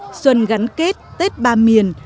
với chủ đề xuân gắn kết tết ba miền